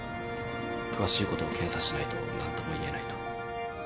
詳しいことを検査しないと何とも言えないと。